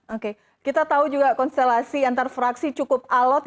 oke kita tahu juga konstelasi antar fraksi cukup alot